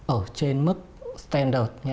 ở trên mức standard